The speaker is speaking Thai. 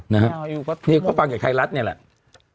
นี่เขาฟังจากไทยรัฐนี่แหละ